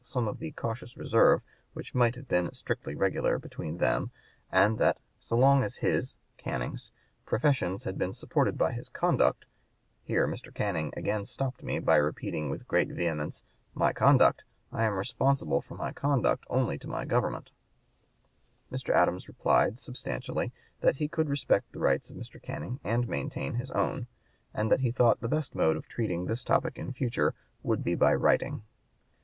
144) some of the "cautious reserve" which might have been "strictly regular" between them, and that "'so long as his (Canning's) professions had been supported by his conduct' Here Mr. Canning again stopped me by repeating with great vehemence, 'My conduct! I am responsible for my conduct only to my government!'" Mr. Adams replied, substantially, that he could respect the rights of Mr. Canning and maintain his own, and that he thought the best mode of treating this topic in future would be by writing.